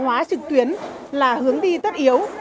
hóa trực tuyến là hướng đi tất yếu